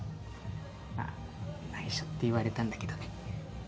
まあないしょって言われたんだけどね。